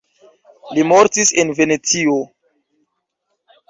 Li mortis en Venecio.